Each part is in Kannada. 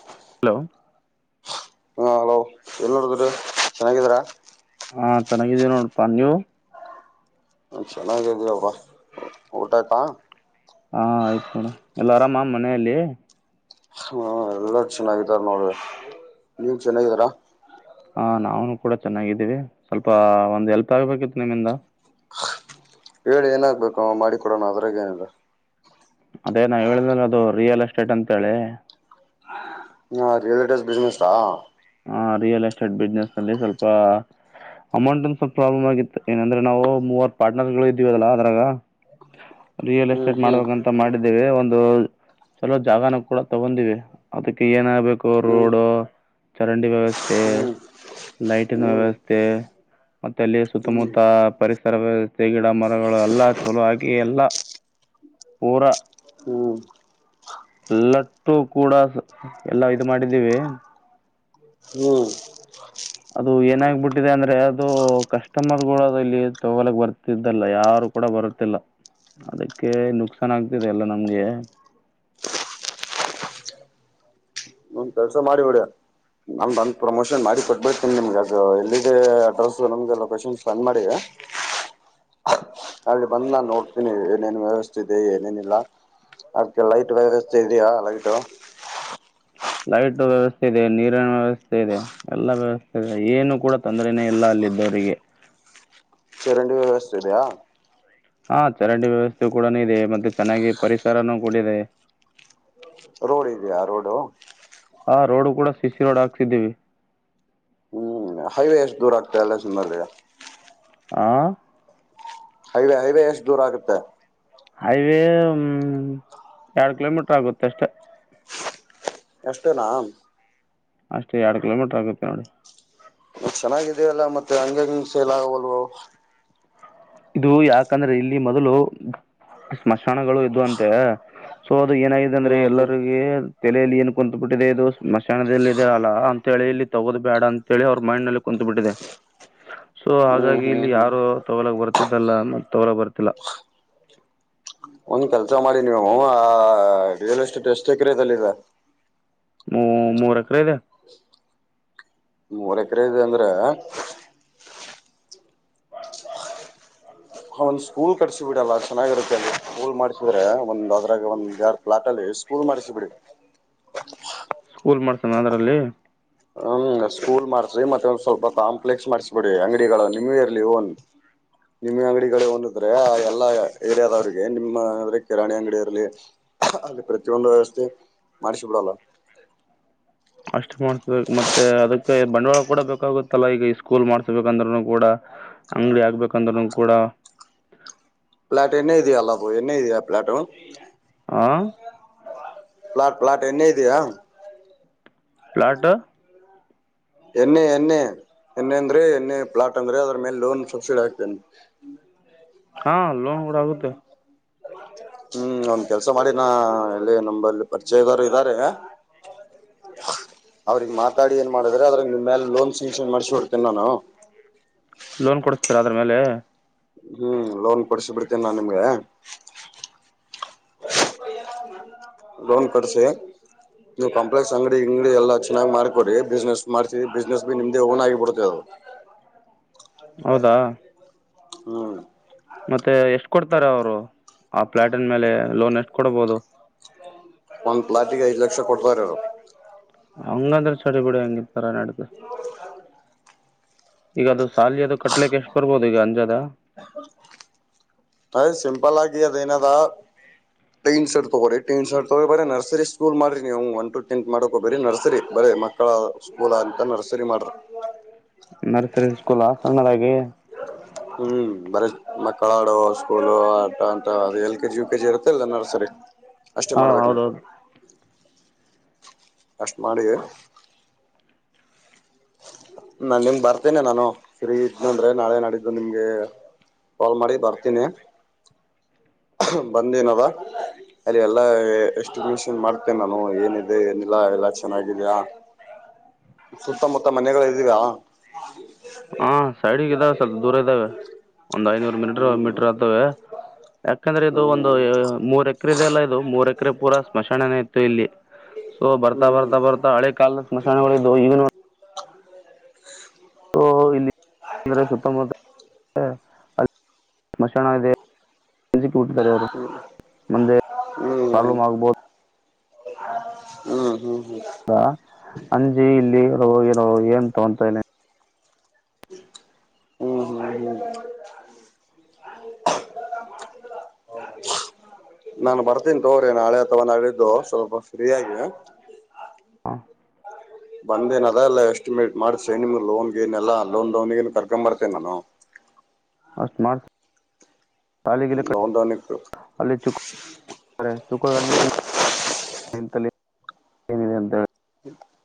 ಹ ಹಲೋ ಹಾ ಹಲೋ ಏನ್ ನೋಡಿದ್ರ ಚೆನ್ನಾಗಿದೀರಾ. ಹಾ ಚೆನ್ನಾಗಿದ್ದೀವಿ ನೋಡಪಾ ನೀವು. ಚೆನ್ನಾಗಿದ ಇವಿ ಊಟ ಆಯ್ತಾ. ಹಾ ಆಯ್ತು ನೋಡ ಎಲ್ಲ ಆರಾಮ ಮನೆಯಲ್ಲಿ. ಹಾ ಎಲ್ಲ ಚೆನ್ನಾಗಿದಾರ ನೋಡ್ರಿ ನೀವ ಚೆನ್ನಾಗಿದಾರಾ. ಹ ನಾವನು ಕೂಡ ಚೆನ್ನಾಗಿದ್ದೀವಿ ಸ್ವಲ್ಪ ಒಂದು್ ಹೆಲ್ಪ್ ಆಗ್ಬೇಕಿತ್ತು ನಿಮ್ಮಿಂದ ಹೇಳಿ ಏನಾಗ್ಬೇಕು ಮಾಡಿಕ ಕೊಡೋಣ ಅದಾರಗ ಏನ ಇದೆ. ಅದೇ ನಾವ ಹೇಳಿದ್ರ ಅದು ರಿಯಲ್ ಎಸ್ಟೇಟ್ ಅಂತ ಹೇಳಿ. ಹಾ ರಿಯಲ್ ಎಟೇಟ್ ಬಿಜೇನೆಸ್. ಆ ರಿಯಲ್ ಎಸ್ಟೇಟ್ ಬಿಸ್ನೆನಸ್ನಲ್ಲಿ ಸ್ವಲ್ಪ. ಅಮೌಂಟ್ ಒಂದ ಸ್ವಲ್ಪ ಪ್ರಾಬ್ಲಮ ಆಗಿತ್ತು ಏನಂದ್ರ ನಾವು ಮೂವತ್ತರ ಪಾರ್ಟ್ನರ್ಗಳು ಇದ್ದೀವ ಅಲ್ಲ ಅದ್ರಾಗ. ರಿಯಲ್ ಹ್ಮ್ ಎಸ್ಟೇಟ್ ಹ್ಮ್ ಮಾಡ್ಬೇಕಂತ. ಮಾಡಿದ್ದೇವೆ ಒಂದು ಚಲೋ ಜಾಗನ ಕೂಡ ತಗೊಂಡಿವವಿ ಅದಕ್ಕೆ ಏನಾಗಬೇಕು. ಹ್ಮ್ ಚರಂಡಿಗಳ ವ್ಯವಸ್ಥೆ ಹ್ಮ್ ಲೈಟಿನ ವ್ಯವಸ್ಥೆ. ಮತ್ತೆ ಅಲ್ಲಿ ಹ್ಮ್ ಹ್ಮ್ ಸುತ್ತಮುತ್ತ ಪರಿಸರ ವ್ಯವಸ್ಥೆ ಗಿಡ ಮರಗಳು ಎಲ್ಲಾ ಚಲೋ ಆಗಿ ಎಲ್ಲಾ. ಹ ಪೂರ ಹ್ಮ್ ಎಲ್ಲಟ್ಟು ಕೂಡ ಎಲ್ಲ ಇ ಮಾಡಿದ್ದೀವಿ ಹ್ಮ್ ಅದು ಏನಾಗಬಿಟ್ಟಿದೆ ಅಂದ್ರೆ ಅದು ಕಸ್ಟಮರಗಳು ಇಲ್ಲಿ ತಗೊಳಕ್ ಬರ್ತಿದ್ದಲ್ಲ ಯಾರು ಕೂಡ ಬರುತ್ತ. ಲ್ಲ ಅದಕ್ಕೆ ನುಕ್ಸಾನ್ ಆಗ್ತಿದೆ ಎಲ್ಲ ನಮ್ಗೆ. ಒಂದ್ ಕೆಲಸ ಮಾಡಿ ಹೊಡ್ಯ ನಮ ಬಂದು ಪ್ರಮೋಷನ್ ಮಾಡಿ ಕೊಟ್ಬತನಿ ನಿಮ್ಗೆಗ ಎಲ್ಲಿದ್ದ ಅಡ್ರೆಸ್ಸ ನಮಗೆ ಲೊಕೇಶನ್ ಸೆಂಡ್ ಮಾಡಿ. ಅಲ್ಲಿ ಬಂದ್ ನಾನ ನೋಡ್ತೀನಿ ಏನೇನು ವ್ಯವಸ್ಥೆದೆ ಏನೇನಿಲ್ಲ. ಅದಕ್ಕೆ ಲೈಟ್ ವ್ಯವಸ್ಥೆ ಇದೆಯಾ ಲೈಟ್. ಲೈಟ್ ವ್ಯವಸ್ಥೆ ಇದೆ ನೀರಿನ ವ್ಯವಸ್ಥೆ ಇದೆ. ಎಲ್ಲ ವ್ಯವಸ್ಥೆದೆ ಏನು ಕೂಡ ತೊಂದ್ರನೇ ಇಲ್ಲ ಅಲ್ಲಿದ್ದವರಿಗೆ. ಚರಂಡಿ ವ್ಯವಸ್ಥೆ ಇದೆಯಾ. ಹಾ ಚರಂಡಿ ವ್ಯವಸ್ಥೆ ಕೂಡೂ ಇದೆ ಮತ್ತೆ ಚೆನ್ನಾಗಿ ಪರಿಸರನೂ ಕೂಡ ಇದೆ. ರೋಡ ಇದೆಯ ರೋಡ್. ಆ ರೋಡ್ ಕೂಡ ಸಿಸಿ ರೋಡ್ ಹಕ್ಸಿದ್ದೀವಿ. ಹ್ಮ್ ಹೈವೇ ಎಷ್ಟು ದೂರ ಆಗ್ತದೆ ಅಲ್ಲ ಸುಮರ್. ಆ. ಹೈವೆ ಹೈವೇ ಎಷ್ಟು ದೂರ ಆಗುತ್ತೆ ಹೈವೇ ಹ ಎರಡು ಕಿಲೋಮೀಟರ್ ಆಗುತ್ತೆ ಅಷ್ಟೇ ಎಷ್ಟೇ ರಾಮ ಅಷ್ಟ ಎರಡು ಕಿಲೋಮಟರ್ ಆಗುತ್ತೆ ನೋಡಿ ಚೆನ್ನಾಗಿದೇಲ್ಲಾ ಮತ್ತೆ ಹಂಗ ಹಂಗ ಸೈಲ ಆಗವಲ್ವ ಇದು ಯಾಕಂದ್ರೆ ಇಲ್ಲಿ ಮೊದಲು ಸ್ಮಶಾನಗಳು ಇದವು ಅಂತೆ ಸೊ ಅದು ಏನಾಗಿದೆ ಅಂದ್ರೆ ಹ್ಮ್ ಎಲ್ಲರಿಗ ತಲೆಯಲ್ಲಿ ಏನ್ ಕುತ್ು ಬಿಿಟ್ಟಿದೆ ಇದು ಸ್ಮಶಾನದಲ್ಲಿ ಇದರ ಅಲ್ಲ ಅಂತ ಹೇಳಿ ಇಲ್ಲಿ ತಗೋ್ ಬೇಡ ಅ ಚಳಿ ಅವ್ರ ಮೈಂಡ್ ನಲ್ಲಿ ಕುೂತ್ ಬಿಿಟ್ಟಿದೆ ಸೊ ಹ್ಮ್ ಹ್ಮ್ ಹಾಗಾಗಿ ಹ್ಮ್ ಇಲ್ಲಿ ಹ್ಮ್ ಯಾರು ತಗೊಳಕ್ ಬರ್ತಿದ್ದಲ್ಲ ಅನ್ನ ತೊಗೊ ಬರ್ತಿಲ್ಲಾ ಒಂದ್ ಕೆಲ್ಸ ಮಾಡಿ ನೀವು ಆ ರಿಯಲ್ ಎಸ್ಟೇಟ್ ಎಷ್ಟು ಎಕರೆದಲ್ಲಿಿದೆ ಮೂ ಮೂರ ಎಕರೆ ಇದೆ ನೀ್ ಒರಕರೆ ಇದೆ ಅಂದ್ರೆ ಒಂದ್ ಸ್ಕೂಲ್ ಕಟ್ಸ ಬಿಡಲ್ಲ ಚೆನ್ನಾಗಿರುತ್ತೆ ಸ್ಕೂಲ್ ಮಾಡ್ಸಿದ್ರೆ ಒಂದ್ ಅದ್ರಾಗ ಒಂದ ಯಡು ಪ್ಲಾಟಾಲಿಸ್ಟ್ ಪೂರು ಮರಿಸಿ ಬಿಿಡಿ ಸ್ಕೂಲ್ ಮಾಡ್ಸನ ಅದರಲ್ಲಿ ಹ್ಮ ಸ್ಕೂಲ್ ಮಾಡ್ಸಿ ಮತ್ತೆ ಒಂದ್ ಸ್ವಲ್ಪ ಕಾಂಪ್ಲೆಕ್ಸ್ ಮಾಡ್ಸಿಬಿಡಿ ಅಂಗಡಿಗಳ ನ್ಯೂ ಇಯರ್ಲಿ ನ್ ನಿಮ್ಮ ಅಂಗಡಿಗಳ ಒಂದಿದ್ರೆ ಆ ಎಲ್ಲಾ ಏರಿಯಾದವ್ರಿಗೆ ನಿಮ್ಮ ಅ್ರೆ ಕ ರಾಣಿ ಅಂಗಡಿಿಯ ಇರಲಿ ಅಲ್ಲಿ ಪ್ರತಿಯೊಂದು ವ್ಯವಸ್ಥೆ ಮಾಡಿಸಿಬಿಡಲ್ಲ ಅಷ್ಟು ಮಾಡ್ಸ್ಬೇಕು ಮತ್ತೆ ಅದಕ್ಕೆ ಬಂಡವಾಳ ಕೂಡ ಬೇಕಾಗುತ್ತಲ್ಲಾ ಈಗ ಈ ಸ್ಕೂಲ್ ಮಾಡ್ಸ್ಬೇಕಂದ್ ಕೂಡ ಅಂಗಡಿ ಆಗ್ಬೇಕಂದ್ರ್ನು ಕೂಡ ಪ್ಲಾಟ್ ಎನ ಅಲ್ಲಾ ಎನ ಪಲಟ್ ಆಾ ಪ್ಲಾಟ್ ಪ್ಲಾಟ್ ಎ್ಣೇ ಇದೆಯಾ ಪ್ಲಾಟ ಎಣ್ಣೆ ಎಣ್ಣೆ ಎಣ್ಣೆ ಅಂದ್ರೆ ಎಣ್ಣೆ ಪ್ಲಾಟ್ ಅಂದ್ರೆ ಅದ್ರ ಮೇಲೆ ಲೋನ್ ಸಬ್ಸಿಡಿ ಆಗ್ಕ್ತೇನೆ ಹ್ಮ್ ಹಾ ಲೋನ್ ಕೂಡ ಆಗುತ್ತೆ ಹ್ಮ್ ಅವಂದ ಕೆಲ್ಸ ಮಾಡಿನ ಎಲ್ಲಿ ನಂಬಲ್ಲಿ ಪರಿಚಯದರು ಇದ್ದಾರೆ ಅವ್ರಗ್ ಮಾತಾಡಿ ಏನ್ ಮಾಡ ಅ್ರ ನಿಮ ಮೇಲೆ ಲೋನ್ ಸಂಕ್ಷನ್ ಮಾಡಸಿಡ್ತೇಿ ನಾನು ಲೋನ್ ಕೊಡಿಸ್ತೀರ ಅದ್ರ ಮೇಲೆ ಹ್ಮ್ ಲೋನ್ ಕೊಡಸ ಬಿಡ್ತೇನೆ ನಾನ್ ನಿಮ್ಗೆ ಲೋನ್ ಕೊಡ್ಸಿ ನೀವು ಕಾಂಪ್ಲೆಕ್ಸ್ ಅಂಗಡಿ ಅಂಗಡಿ ಎಲ್ಲ ಚನ್ನಾಗಿ ಮಾಡಕೊರಿ ಬಿಸ್ನೆಸ್ ಮಾಡ್ತೀವಿ ಬಿಸ್ಸ್ ಬಿ ನಿಮ್ದೇ ಓನ್ ಆಗಿ ಬಿಡುತ್ತೆ ಅದು ಹೌದಾ ಹ್ಮ್ ಮತ್ತೆ ಎಷ್ಟ್ ಕೊಡ್ತಾರೆ ಅವರು ಆ ಪ್ಲಾಟ್ನ್ ಮೇಲೆ ಲೋನ್ ಎಷ್ಟ್ ಕೊಡಬಹುದು ಒಂದ್ ಪ್ಲಾಟ್ಗೆ ಐ್ ಲಕ್ಷ ಕೊಡ್ತಾರರು ಹಂಗಂದ್ರೆ ಚಳ ಬಿಡಿ ಹಂಗಿತರ ನಡ್ದ ಈಗ ಅದು ಸಾಲಿ ಅದು ಕಟ್ಲಿಕ್ಕೆ ಎಷ್ಟು ಬರ್ಬೋದು ಈಗ ಅಂಜದ ಹ ಹ ಸಿಂಪಲ್ ಆಗ ದಿನದ ಟೀನ್ ಶರ್ ತಗೋಿ ಟೀನ್ ಶರ್ ತಗೋಿ ಬರ ನರ್ರಿ ಸ್ಕೂಲ್ ಮಾಡಿರಿ ನೀವು ಒ ಟ ಟೆತ್ ಮಾಡಕ ಬರರಿ ನಸರಿ ಬರ ಮ ಮಕ್ಕಳ ಸ್ಕೂಲಂತನ್ನ ಸರಿ ಮಾಡರು ನರ್ಸರಿ ಸ್ಕೂಲ್ ಸಣ್ಣದಾಗಿ ಹ್ಮ್ ಬರ ಮಕ್ಕಳ ಆಡೋ ಸ್ಕೂಲ್ ಆಟ ಅಂತ ಅದ ಎಲ್ ಕೆಜಿ ಯು ಕೆಜಿ ಇರತ್ತಲ್ಲ ನರ್ಸ್ರಿ ಅಷ್ಟೇ ಹಾ ಮಾಡ್ಬೇಕ ನೀವು ಹೌದೌದು ಅಷ್ಟ ಮಾಡಿಯ ನಾನ್ ನಿಮ್ ಬರ್ತೇನೆ ನಾನು ಫ್ರೀಇದ್ನ ಅಂದ್ರೆ ನಾಳೆ ನಡಿದ್ದು ನಿಮ್ಗೆ. ಕಾಲ್ ಮಾಡಿ ಬರ್ತೀನಿ [unintelligible] ಬಂದೇನವ ಅಲ್ಲಿ ಎಲ್ಲ ಎಷ್ಟಟ್ರಿಗ್ಯೂಷನ್ ಮಾಡ್ತೇನೆ ನಾನು ಏನಿದೆ ಏನಿಲ್ಲ ಎಲ್ಲ ಚೆನ್ನಾಗಿದೆಯಾ. [inaudible] ಸುತ್ತಮುತ್ತ ಮನೆಗಳು ಇದಿಯ್ ಹ ಸೈಡಿಗೆ ಇದ್ದಾವೆ ಸ್ವಲ್ಪ ದೂರ ಇದ್ದಾವೆ ಒಂದ್ ಐನೂರು ಮೀಟರ್ ಹ್ಮ್ ಮೀಟ್ರ ಅಕ್ಕವೇ ಯಾಕಂದ್ರೆ ಇದು ಹ್ಮ್ ಒಂದು ಮೂರ್ ಎಕರೆ ಇದೆಲ್ಲ ಅಲ್ಲಾ ಇದು ಮೂರ್ ಎಕರೆ ಪೂರಾ ಸ್ಮಶಾನನೇ ಇತ್ತು ಇಲ್ಲಿ. ಸೊ ಬರ್ತಾ ಹ್ಮ್ ಹ್ಮ್ ಬತಾ ಬರ್ತಾ ಹಳೆ ಕಾಲದ ಸ್ಮಶಾನಗಳುವು ಏನು ಇಲ್ಲಿ ಅಂದ್ರೆ ಸುತ್ತಮುತ್ತ [inaudible] ಅಲ್ಲಿ ಸ್ಮಶಾನ ಇದೆ. ಎಜ ಕೇಳ್ತಾರೆ ಅವ್ರು ಮುಂದೆ ಹ್ಮ್ [inaudible] ಪ್ರಾಬ್ಲಮ್ ಆಗಬಹುದು. [unintelligible] ಹ್ಮ್ ಹ್ಮ್ ಹ್ಮ್ ಹಾ ಅಂಜಿ ಇಲ್ಲಿ ಇರೋ ಇರೋ ಏನ್ ತಗೋತಾನೆ ಹ್ಮ್ ಹ್ಮ್ ಹ್ಮ್ [unintelligible] [unintelligible] ನಾನ್ ಬರ್ತೀನಿ ತಗೋರಿ ನಾಳೆ ಅಥವಾ ನಾಡಿದ್ದು ಸ್ವಲ್ಪ ಫ್ರೀ ಆಗಿದ್ದ್. ಹಾ ಬಂದೇನ್ ಅದಲ್ಲ ಎಸ್ಟಿಮೇಟ್ ಮಾಡ್ಸನೆ ನಿಮ್ಗೆ ಲೋನ್ ಗಿನ ಎಲ್ಲಾ ಲೋನ್ ಡೋನ್ ಗೆ ಕರ್ಕೊಂಡ ಬರ್ತೇನೆ ನಾನು. ಅಷ್ಟ ಮಾಡ [inaudible] ಸಾಲಿ ಲೋನ್ ಡೌನ್ ಇತ್ತು. ಅಲ್ಲಿ ಚಕ್ಕ [inaudible] ಅಚುಕಕ್ಕ್ ಅಡ್ಮಿಷನ್ ಅಲ್ಲಿ ಏನಿದೆ ಅಂತ ಹೇಳ [inaudible]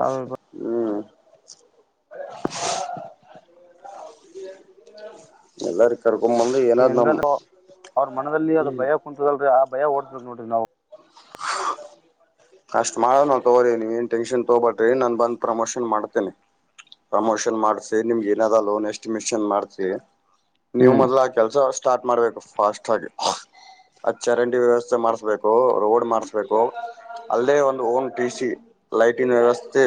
ಹೌದ ಹ್ಮ್ ಎಲ್ಲಾರ ಕರ್ಕೊಂಡ್ ಬ ಹೆಂಗಾದ್ರು ಅವ್ರ ಮನದಲ್ಲಿ ಅದ್ ಹ್ಮ್ ಭಯ ಕುೂಂತದಲ್ರರಿ ಆ ಭಯ ಓಡಸ್ಬೇಕಕ್ ನೋಡ್ರಿ ನಾವು. ಅಷ್ಟ್ ಮಾಡೋನಾ ತಗೋರಿ ನೀವನ್ ಟೆನ್ಶನ್ ತಗೋಬಟ್ರಿ ನನ್ ಬಂದ ಪ್ರಮೋಷನ್ ಮಾಡ್ತೇನ. ಪ್ರಮೋಷನ್ ಮಾಡ್ಸ ನಿಮ್ಗೆ ಏನಾದ ಲೋನ್ ಎಸ್ಟಿಮಷನ್ ಮಾಡತೀವಿ ನೀವು ಹ್ಮ್ ಮೊದ್ಲ ಹಾಕಿ ಕೆಲಸ ಸ್ಟಾರ್ಟ್ ಮಾಡ್ಬೇಕು ಪಾಸ್ಟ್ ಆಗಿ ಅ ಚರಂಡಿ ವ್ಯವಸ್ಥೆ ಮಾಡ್ಸಬೇಕು ರೋಡ್ ಮಾಡಸ್ಬೇಕು. ಅಲ್ಲೇ ಒಂದ ಓನ್ ಟಿ ಸಿ ಲೈಟಿನ ವ್ಯವಸ್ಥೆ.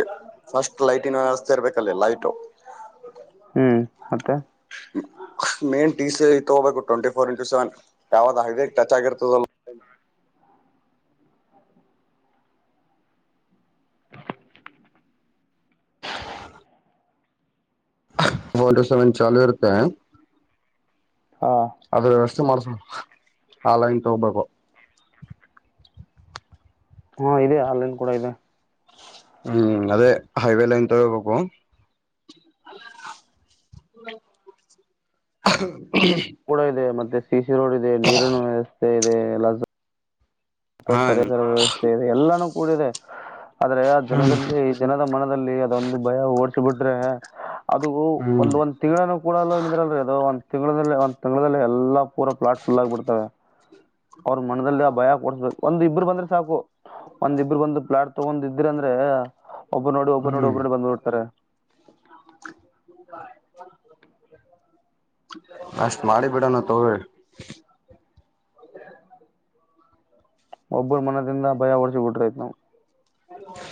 ಫಸ್ಟ್ ಲೈಟಿನ ವ್ಯವಸ್ಥ ಇಬೇಕಲ್ಲಿ ಲೈಟು. ಹ್ಮ ಮತ್ತೆ. ಮೇನ್ ಟಿ ಸಿ ಐ ತಗೋಬೇಕು ಟ್ವೆಂಟಿ ಫೋರ್ ಇಂಟು ಸೆವೆನ್ ಯಾವ್ದ ಹೈವೇ ಟಚ್ ಆಗಿರ್ತದಲ್ಲ. ಹೋದ ವರ್ಷ ನನ್ ಚೆಲುವಿರುತ್ತೆ. [inaudible] ಅದ್ರ ವ್ಯವಸ್ಥೆ ಮಾಡ್ಸ ಆಲೈನ್ ತಗ್ಬೇಕು. ಹು ಇದೆ ಆನಲೈನ ಕೂಡ ಇದೆ ಹ್ಮ್ ಅದೇ ಹೈವೇ ಲೈನ್ ತಗೋಬೇಕು. [unintelligible] ಕೂಡ ಇದೆ ಮತ್ತೆ ಸಿ ಸಿ ರೋಡ್ ಇದೆ ನೀರಿನ ವ್ಯವಸ್ಥೆ ಇದೆ ಎ ಹಾ [unintelligible] ಸರಿಯಾದರ ವ್ಯವಸ್ಥೆ ಇದೆ ಎಲ್ಲಾನು ಕೂಡ ಇದೆ ಆದ್ರೆ ಆ ಹ್ಮ್ ಜನದಲ್ಲಿ ಜನದ ಮನದಲ್ಲಿ ಅದೊಂದು ಭಯ ಓಡಿಸಿ ಬಿಿಟ್ರೆ ಅದು ಹ್ಮ್ ಒಂದ ಒಂದ ತಿಂಗಳ ಕೂಡ ಇದ್ರಲ್ ಅದು ಒಂದ ತಿಂಗಳ ಒಂದ ತಿಂಲ್ಲ ಎಲ್ಲ ಪೂರ ಪ್ಲಾಟ್ ಫುಲ್ ಆಗಿ ಬಿಡ್ತವೆ ಹ ಅವ್ರ ಮನದಲ್ಲಿ ಭಯ ಕೊಡಸ್ಬೇಕು ಒಂದ ಇಬ್ರು ಬಂದ್ರೆ ಸಾಕು ಒಂದಿಬ್ರು ಬಂದು ಪ್ಲಾಟ್ ತಗೊಂಡ ಇದ್ರ ಅಂದ್ರೆ ಒಬ್ಬ ನೋಡಿ ಒಬ್ಬರು ನೋಡಿ ಹ್ಮ್ ಒಬ್ರು ನೋಡಿ ಬಂದ್ಬಡ್ತಾರೆ ಅಷ್ಟ್ ಮಾಡಿ ಬಿಡ ನಾ ತಗಿ ಒಬ್ಬ ಮನದಿಂದ ಭಯ ಹೊಡಸಿ ಬಿಟ್ರತ್ ನಾವು ಹ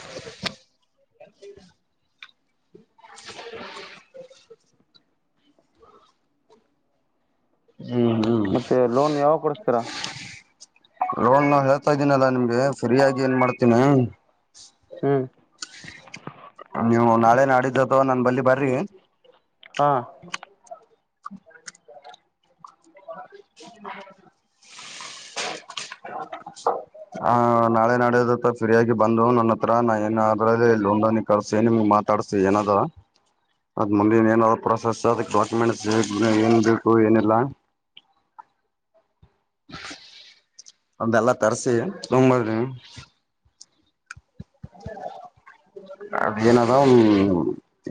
ಹ್ಮ್ ಹ್ಮ್ ಮತ್ತೆ ಲೋನ್ ಯಾವ ಕೊಡಸ್ತೀರಾ ಲೋನ್ ನ ಹೇಳ್ತಾ ಇದೀನಲ್ಲಾ ನಿಮ್ಗೆ ಫ್ರೀಯಾಗಿ ಏನ್ ಮಾಡ್ತೀನಿ ಹ್ಮ್ ನೀವು ನಾಳೆ ನಾಡಿದ್ದವಾ ನನ್ ಬಲ್ಲಿ ಬರ್ರಿ ಹಾ ಹ ಹ ಹ ನಾಳೆ ನಡದತ್ತ ಫ್ರೀಯಗಿ ಬಂದು ನನ್ನ ಹತ್ರ ನಾ ಏನ್ ಅ್ರ ಇ ಹಂದನಿ ಕಳಸ ನಿಮ್ಗ್ ಮಾತ್ ತಡಿಸಿ ಏನದ ಅದ್ ಮುಂದಿನ ಏನಾದ್ರು ಪ್ರೊಸೆಸ್ ಅದ ಡಾಕ್ಯುಮೆಂಟ್ಸ್ ಏನ್ ಬೇಕು ಏನಿಲ್ಲ ಅದೆೆಲ್ಲ ತರ್ಸಿ ತಂಬ್ಬದಿ [unintelligible] ಅದ ಏನದ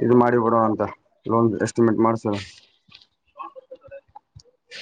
ಇದು ಮಾಡಿಬೊಡುವ ಅಂತ ಲೋನ್ ಎಸ್ಟಿಮೇಟ್ ಮಾಡ್ಸುದ